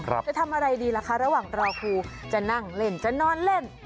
จะทำอะไรดีล่ะคะระหว่างรอครูจะนั่งเล่นจะนอนเล่น